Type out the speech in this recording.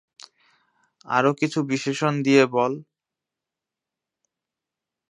আরো কিছু বিশেষণ দিয়ে বল।